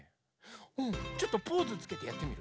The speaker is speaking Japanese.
うんちょっとポーズつけてやってみる？